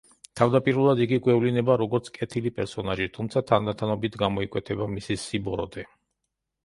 თავდაპირველად, იგი გვევლინება, როგორც კეთილი პერსონაჟი, თუმცა თანდათანობით გამოიკვეთება მისი სიბოროტე.